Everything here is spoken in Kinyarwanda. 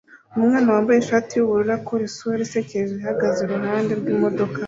Umwana wambaye ishati yubururu akora isura isekeje ihagaze iruhande rwimodoka